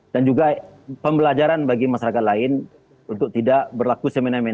dan juga pembelajaran bagi masyarakat lain untuk tidak berlaku